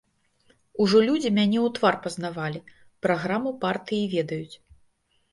Ужо людзі мяне ў твар пазнавалі, праграму партыі ведаюць.